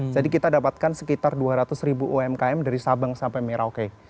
jadi kita dapatkan sekitar dua ratus ribu umkm dari sabang sampai merauke